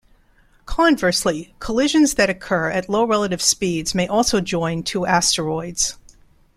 Conversely, collisions that occur at low relative speeds may also join two asteroids.